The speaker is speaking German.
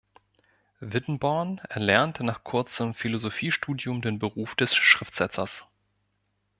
Wittenborn erlernte nach kurzem Philosophiestudium den Beruf des Schriftsetzers.